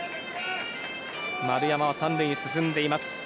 丸山は３塁へ進んでいます。